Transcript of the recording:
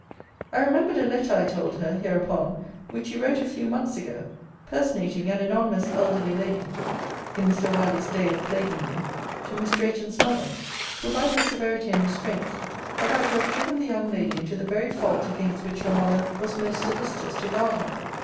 I remembered a letter, I told her, hereupon, which you wrote a few months ago, personating an anonymous elderly lady (in Mr. Wyerley's day of plaguing you) to Miss Drayton's mother, who, by her severity and restraints, had like to have driven the young lady into the very fault against which her mother was most solicitous to guard her.